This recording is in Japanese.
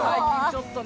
ちょっとね。